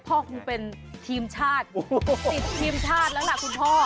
คงเป็นทีมชาติติดทีมชาติแล้วล่ะคุณพ่อ